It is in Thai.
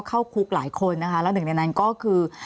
เข้าคุกหลายคนนะคะแล้วหนึ่งในนั้นก็คือ